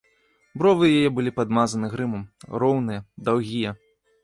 Бровы яе былі падмазаны грымам, роўныя, даўгія.